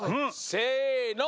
せの！